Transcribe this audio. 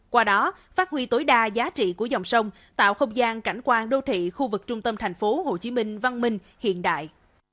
qua đó phát huy tối đa giá trị của dòng sông tạo không gian cảnh quan đô thị khu vực trung tâm tp hcm văn minh hiện đại